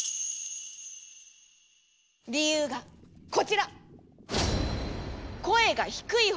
理由がこちら！